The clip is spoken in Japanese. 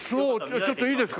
ちょっといいですか？